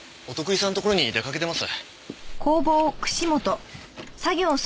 お得意さんのところに出掛けてます。